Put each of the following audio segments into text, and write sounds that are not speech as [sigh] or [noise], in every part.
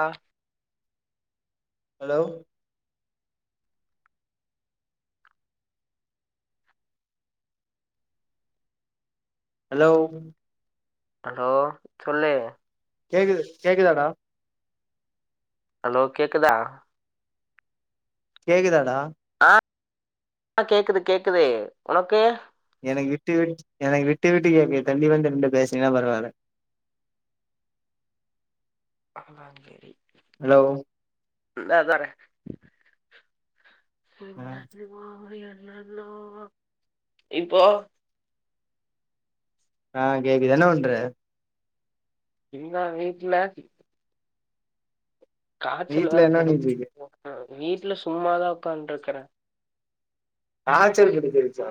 ஆ hello hello hello சொல்லு கேக்குது கேக்குதாடா ஹலோ கேக்குதா கேக்குதாடா ஆ கேக்குது கேக்குது உனக்கு எனக்கு விட்டு விட் எனக்கு விட்டு விட்டு கேக்கு தள்ளி வந்து நிண்டு பேசுனீனா பரவால அதனா கேள்வி [unintelligible] ஹலோ இந்தா தரே ஆ இப்போ ஆ கேக்குது என்ன பண்ற இங்க தா வீட்ல காய்ச்சல் வேற வீட்ல என்ன போட்டு பண்ணிட்ருக்க போட்டு வீட்டுல சும்மாதா உட்கான்ட்டுருக்கறே காய்ச்சல் பிடிச்சிருச்சா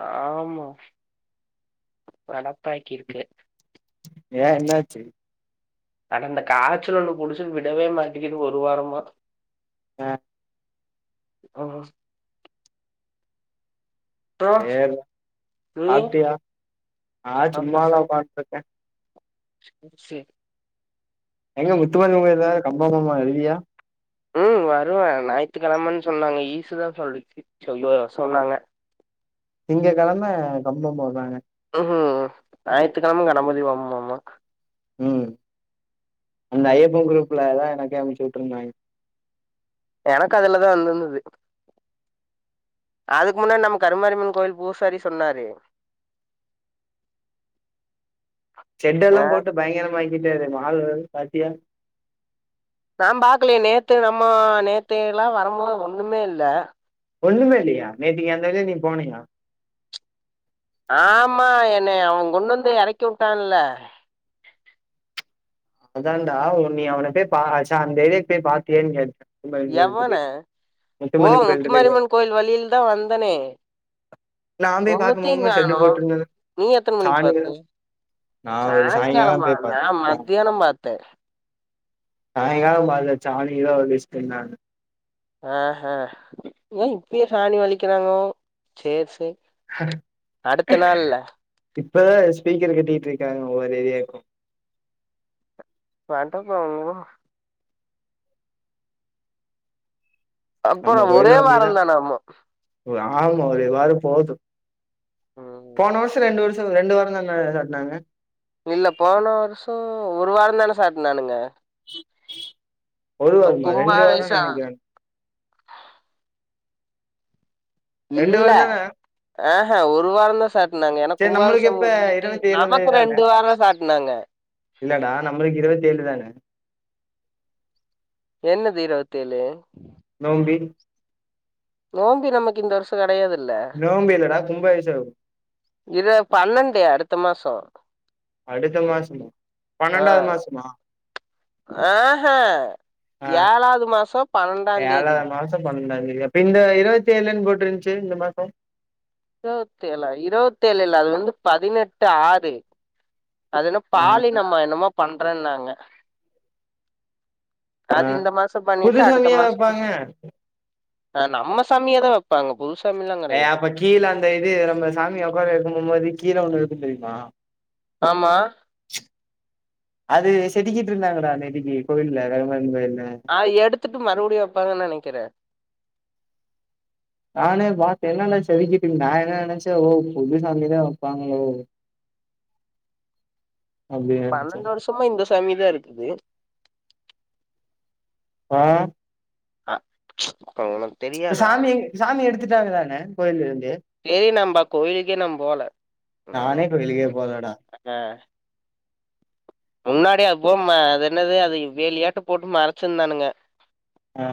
ஆமா படப்பாக்கிருக்கு ஏ என்னாச்சு அட இந்த காய்ச்சல் ஒண்ணு புடிச்சிட் விடவே மாட்டிக்கிது ஒரு வாரமா அ ஒ ஓ சேரி நீ சாப்ட்டியா ஆ சாப்பிட்ட சும்மாதா உக்காந்து [unintelligible] எங்க முத்துமணிமால எழுதாத கம்பராமாயணோ எழுதியா ம் வருவே நாயித்துகெழமன்னு சொன்னாங்க ஈசு தா சொல்லிச்சு சொல்லுவா சொன்னாங்க திங்க கெழம கம்பம் போனாங்க ம் ம் நாய்த்துகெழம கணபதி ஹோமம்மா ம் அந்த ஐயப்ப குரூப்ல தா எனக்கே அனுப்ச்சு விட்டுருந்தாங்க எனக்கு அதுலதா வந்துர்ந்துது அதுக்கு முன்னாடி நம்ம கருமாரிஅம்மன் கோவில் பூசாரி சொன்னாரு சென்டு எல்லா ஆ போட்டு பயங்கரமாக்கிட்டாரு வாழ்று பாத்தியா நா பாக்லயே நேத்து நம்ம நேத்து எல்லா வரும்போது ஒண்ணுமே இல்ல ஒண்ணுமே இல்லியா நேத்திக்கி அந்த வழியா நீ போனியா ஆமா என்னைய அவ கொண்டு வந்து எறக்கி விட்டால்ல அதான்டா உன்னைய அவன்ட்ட பா ச்சா அந்த ஏரியாக்கு போய் பாத்தியான்னு கேட்ட எவன ஓ கோயில்ட்ட போய் பாத் முத்துமாரியம்மன் கோவில் வழியிலதா வந்தனே நா போய் ஒண்ணுத்தியு பாக்கும்போது ஷெட்டு காணு போட்ருந்தது நீ எத்தன மணிக்கு சாணில பாத்த நா ஒரு சாயங்காலம் சாய்ங்காலமா போய் பாத்தே நா ஆமா மத்தியானோ பாத்தே சாய்காலோ பாத்தா சாணியதா‌வழிச்சிட்ருந்தாங்க அஹ ஏ இப்பயே சாணி வலிக்கிறாங்கோ சேர் சேரி இப்பதா ஸ்பீக்கர் கட்டிட்டு இருக்காங்க ஒவ்வொரு ஏரியாக்கு வன்ட்டே பா [unintelligible] நம்ம அப்புறம் ஒரே கோயில்ல அப்டிதா வாரம் தானாமா ஆமா ஒருவாரோ போது ம் போன வர்ஷோ ரெண்டு வர்ஷோ ரெண்டு வாரோ தான்ன சாட்னாங்க இல்ல போன வர்ஷோ ஒரு வாரோ தான சாட்னானுங்க ஒரு வாரமா ரெண்டு வாரோனு கும்பாவேஷம் நெனைக்கிறே ரெண்டு இல்ல வாரோந்தான ஆஹ ஒரு வாரந்தா சாட் னாங்க ஏன்னா சேரி நம்மளுக்கு கும்பாபிஷேகோ எப்ப முடிஞ்சுட்டு இருவத்தி ஏழு தேதி நமக்கு தான ரெண்டு வாரோ சாட்டுனாங்க இல்லடா நம்பளுக்கு இருவத்தி ஏழு தானே என்னது இருவத்தேழு நோம்பி நோம்பி நமக்கு இந்த வர்ஷோ கெடையாதுல்ல நோம்பி இல்லடா கும்பாபிஷேகோ இது பன்னெண்டு அடுத்த மாசோ அடுத்த மாசம பன்னெண்டாவது மாசமா ஆஹ ஆ ஏழாவது மாசோ பன்னெண்டா தேதி அப்ப இந்த இருவத்தி ஏழுன்னு போட்டிருந்துச்சு இந்த மாசோ இருவத்தேழா இருவத்தேழு இல்ல அது வந்து பதினெட்டு ஆறு அது என்ன ஆ பாலினம்மா என்னமோ பண்றேன்னாங்க ஆ அது இந்த மாசோ புது பண்ணிட்டு அடுத்த சாமியா மாசோ வைப்பாங்க அ நம்ம சாமியதா வப்பாங்க ஏய் அப்ப கீழ அந்த இது நம்ம சாமி உக்கார வைக்கு போம் போது கீழ ஒண்ணு இருக்கு தெரியுமா ஆம்மா அது செதுக்கிட்டு இருந்தாங்கடா நேத்திக்கு கோயில்ல கருமாரியம்மன் கோயில்ல அ எடுத்துட்டு மறுபடியு வப்பாங்கன்னு நெனைக்கிறே நானே பாத்தே என்னால்ல செதுக்கிட்டு இருந்தா நா என்ன நெனைச்சே ஓ புதுசாமிதா வப்பாங்ளோ அப்டின்னு நெனைச்சேன் பன்னெண்டு வர்ஷமா இந்த சாமிதா இருக்குது ஆ ஆ அவ்ளோலா சாமி சாமி எடுத்துட்டாங்க தான கோயில்ல இருந்து டேய் நம்ப கோயில்க்கே நா போல நானே இப்ப வெளிய போகலடா ஆ முன்னாடி அப்பும் அது என்னது அது வேலியாட்ட போட்டு மறச்சிருந்தானுங்க. ஆ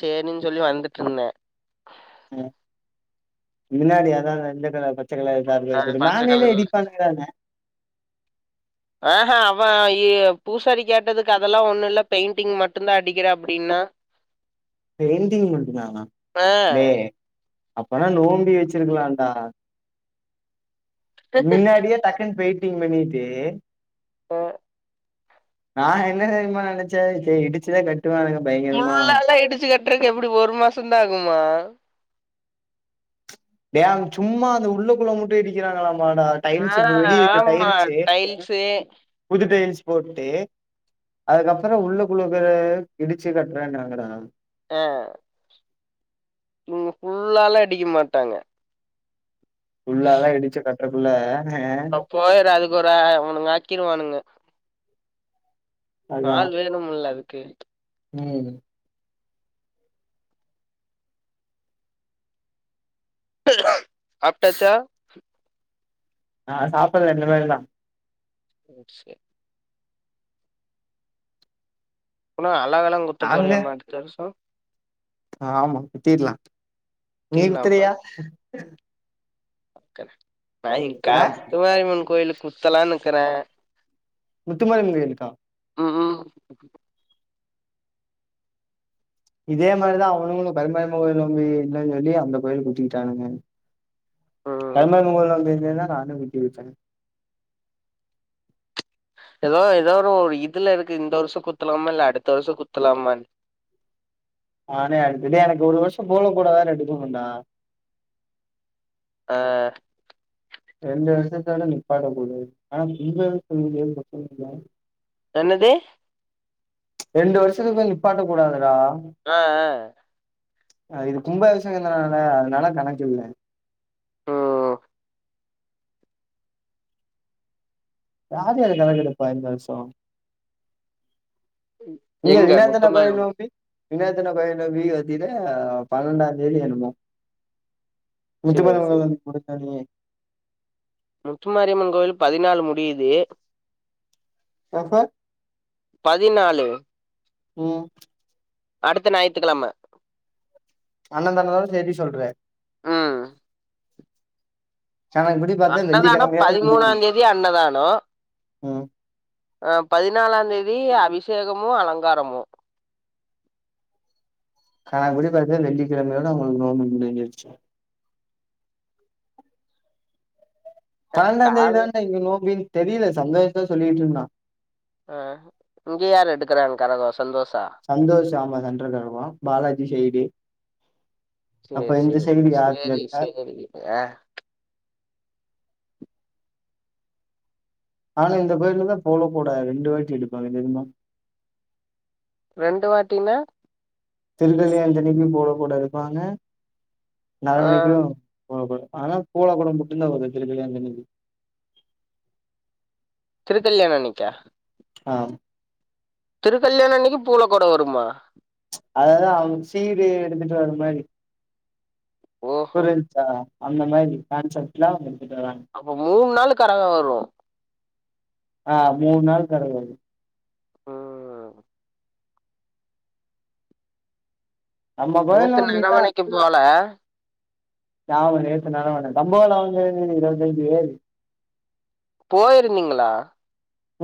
செரின் சொல்லி வந்துட் இருந்த. ம் மின்னாடி எதாவ்து மஞ்ச கலர் பச்ச அது கலர் [unintelligible] பச்ச மேலையில கலர்ல எடிட் பண்ணுகுறான்ங்க ஆஹ அவ இ பூசாரி கேட்டதுக்கு அதெல்லா ஒண்ணு இல்ல. பெய்ண்டிங் மட்டுந்தா அடிக்கிற அப்பிடின்னா. பெய்ண்டிங் மட்டுந்தானா. ஆ டே அப்பன்னா நோம்பி வெச்சிருக்கலான்டா. மின்னாடியே டக்குன்னு பெய்ண் டிங் பண்ணிட்டு ஆ நா என்ன தெரியுமா நெனச்சே. செரி இடிச்சுதா கட் டுவானுக பய் முள்ளா எலா இடுச்சு கட்றக்கு எப்புடி ஒரு மாசொந்தா ஆகுமா? டே அவங் சும்மா அந்த உள்ள குள்ள மட்டு இடிக்கிறாங்களாமாடா ஆ டைல்ஸ்ஸு இப்ப வெளிய இருக்குற ஆமா டைல்ஸ்ஸு. டைல்ஸு புது டைல்ஸ் போட்டு அதுக்கப்பறொ உள்ளு குள்ள இருக்குற இடுச்சு கட்றாங்குறாங்கடா ஆ இவங்க ஃபுல்லா எலா இடிக்க மாட்டாங்க. ஃபுல்லா எல்லா இடுச்சு கட்றக்குள்ள ஆ ஆ போய்ரு அதுக்கு ஒரு அ அ இவனுங்க அக்கிருவானுங்க. அதா நாள் வேணும்முல்ல அதுக்கு ம் சாப்ட்டாச்சா நா சாப்பல்ல இன்னுமேலுதா சே அப்பன்னா அலகெல்லா குத்த நாங்க போறியாம்மா அடுத்த வர்ஷோ ஆமா குத்தீர்லா. நீ குத்திர்லாமா குத்துரியா நாயீ கா ஆ முத்துமாரியம்மன் கோயிலுக்கு குத்தலான் இக்குற. முத்துமாரியம்மன் கோயிலுக்கா ம் ம் இதே மாரிதா அவனுங்களு கருமாரியம்மன் கோயில் நோம்பி இல்லன்னு சொல்லி அந்த கோயில் குத்திகிட்டானுங்க. ம் கருமாரியம்மன் கோயில் நோம்பி இருந்ததுன்னா நானு விட்டு வெச்ச. எதோ எதோ ஒரு இதுல இருக்கு. இந்த வர்ஷோ குத்துலாமா இல்ல அடுத்த வர்ஷோ குத்துலாமான் நானே அடுத்து எனக்கு ஒரு வருஷோ போட கூடா எடுக்குவன்டா ஆ ரெண்டு வருஷத்தால நிப்பாட்ட குடு. ஆனா இ சொல் [unintelligible] என்னது ரெண்டு வர்ஷத்துக்குள்ள நிப்பாட்ட கூடாதுடா. ஆ ஆ அ இது கும்ப அபிசேகதான அதனால கணக்கு இல்ல ம் யார் யாரு கணக்கெடுப்பா இந்த வருஷ இங்க எங்க வினத்தனா கோயில் முத்துமாரியம்மன் நோம்பி வினத்தின கோயில் நோம்பி பாத்தின்னா ஆ பன்னெண்டாந்தேதி என்னமோ. சேரி முத்துமாரியம்மன் கோயில் சேரி சோம்பி முடுச்சாதா நீ முத்துமாரியம்மன் கோயிலு பதினாலு முடியுது எப்ப பதினாலு ம்ம் அடுத்த ஞாய்த்துக்கிழம அண்ணன்ந்த தானு சேதி சொல்ற ம்ம் சேனல் படி அன்னதான பதிமூணாந் தேதி அன்னதான ம் ஆ பதினாலாந் தேதி அபிஷேகமும் அலங்காரமும் கணக்குப்படி பாத்தா வெள்ளிக்கிழமயோட உங்களுக்கு நோம்பி முடிஞ்சிருச்சு எல்லா பனண்டாம் காலு தேதிதாண்ட இங்க நோம்பி தெரில சந்தோஷ் தா சொல்லிட்டு இருந்தா ஆ இங்க யாரு எடுக்கராங் கரக சந்தோஷா சந்தோஷ் ஆமா சென்ட்ரல்ல இருப்பா பாலாஜி சைடு அப்ப சேர் இந்த சேர் சைடு யாருன்னு சேரி கேட்டா சேரி ஆ ஆனா இந்த கோயில தா போல போடா ரெண்டு வாட்டி எடுப்பாங்க தெரிமா ரெண்டு வாட்டினா திரு கல்யாண தணிக்கும் போல கூட எடுப்பாங்க நாலு ஆ மணிக்கும் போட ஆனா போல கூடம் மட்டு தா வருது திரு கல்யாணத்துக்கி திருக்கல்யாண அன்னிக்கா ஆ திருக்கல்யாணம் அன்னிக்கு பூல கூட வருமா ம்ச் அதெலா அவங்க சீறு எடுத்துட்டு வர மாதிரி ஓஹோ புரிஞ்ச்சா அந்த மாதிரி கான்செப்ட்ல அவங்க எடுத்துட்டு வராங்க அப்ப மூணு நாளு கரக வரு ஆ மூணு நாள் கரக வரு ம்ம்ம்ம் நம்ம கோயில்ல நேத்து வந்து நக இதான் வேலைக்கு போல பாவு நேத்து நக வேலை தம்போல [unintelligible] போயிருந்தீங்களா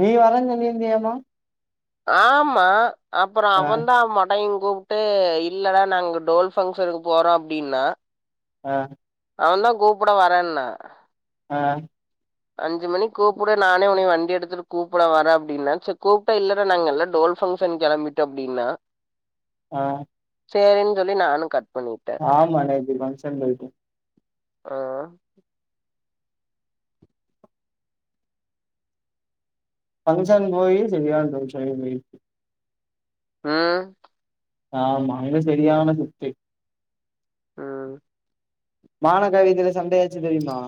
நீ வரன்னு சொல்லி இருந்தியாமா ஆமா அப்பற ஆ அவதா மடையன் கூப் ட்டு இல்லடா நாங்க டோல் பங்க்ஷனுக்கு போறோ அப்டின்னா ஆ அவந் தா கூப்பட வரேன்னா ஆ அஞ்சு மணி கூப்புடு நானே உன்னைய வண்டி எடுத்துட்டு கூப்பட வர அப்டின்ன சேரி கூப்டா இல்லடா நாங்கல்ல டோல் ஃபங்க்ஷன் கெளம்பிட்டு அப்டின்னா ஆ சேரின்னு சொல்லி நானு கட் பண்ணின் ஆமா நேத்தி ஃபங்கஷன் போய்ட்ட ஆ ஆ பங்க்ஷன் போய் சரியான பங்சஷனுக்கு போயி ம் ஆமா இவன் சரியான சுட்டி ம் மானகவிதையில சண்டையாச்சு தெரியுமா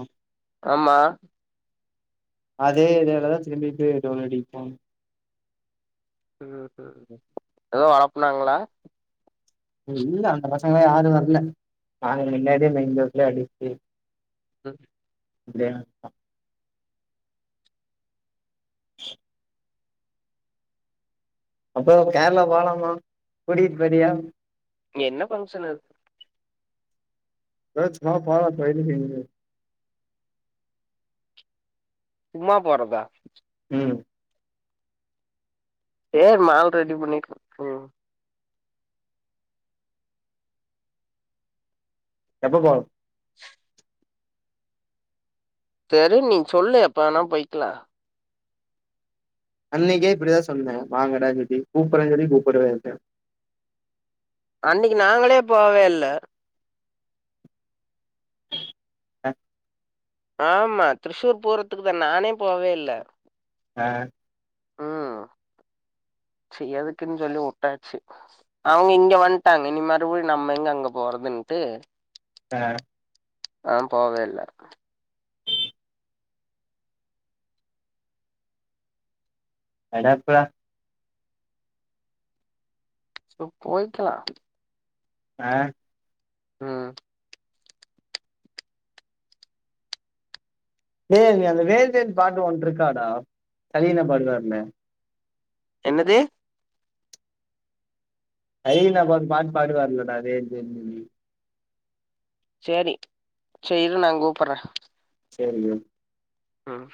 ஆமா அதே இதாலதான் திரும்பிட்டு தோணடிப்போம் ம் ம் எதோ ஆப்னாங்களா இல்ல அந்த பசங்கங்களா யாரும் வரல நாங்க மின்னாடியே மெயின்ரோட்லே அடிச்சு ம் இதே தான் அப்போ கேரளா போலாமா கூட்டிட் பேயிரியா என்ன பங்க்ஷனு தாச் வாபா பையனுக்கு இன்னிக்கி சும்மா போறதா ம் ஏ மால ரெடி பண்ணிட்டு ம் எப்ப போறோ தெரி நீ சொல்லு எப்ப வேணாலு போய்க்குலா அன்னைக்கே இப்டிதா சொன்ன வாங்கடான் சொல்டு கூப்பறன் சொல்லி கூப்படவே இல்ல அன்னிக்கு நாங்களே போவே இல்ல அ ஆமா ட்ரிஸுர் போறதுக்கு தா நானே போவே இல்ல அ சேர் எதுக்குன்னு சொல்லி உட்டாச்சு அவுங்க இங்க வந்டாங்க இனி மறுபடி நம்ம எங்க அங்க போறதுன்ட்டு அ ஆ போவேல்ல அடப்ப இப்ப போய்கலா ஆ ம் டேய் நி அந்த வேல் வேல் பாட்டு ஒன்ட இருக்காடா கலீலேன் பாடுவாருல என்னது கலீல்ணா பாட் பாட்டு பாடுவருலடா வேல் வேல்னு சொல்லி சேரி சே இரு நா கூப்பற சேரி வை ம்